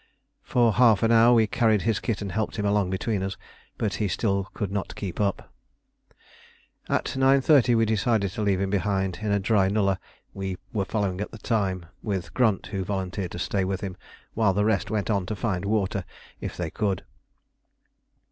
For half an hour we carried his kit and helped him along between us, but he still could not keep up. At 9.30 we decided to leave him behind, in a dry nullah we were following at the time, with Grunt, who volunteered to stay with him while the rest went on to find water if they could.